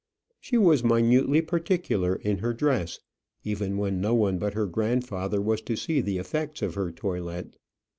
She was minutely particular in her dress, even when no one but her grandfather was to see the effects of her toilet.